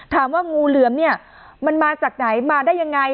ถามว่างูเหลือมมันมาจากไหนมาได้ยังไง